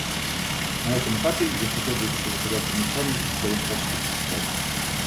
На этом этапе я хотел бы высказать ряд замечаний в своем качестве Председателя.